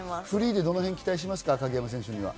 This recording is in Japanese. フリーではどこに期待しますか？